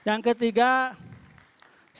saya mengucapkan terima kasih kepada para penonton